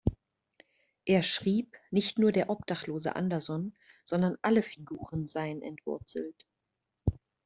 Er schrieb, nicht nur der obdachlose Anderson, sondern alle Figuren seien entwurzelt.